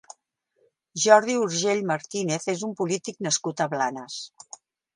Jordi Urgell Martínez és un polític nascut a Blanes.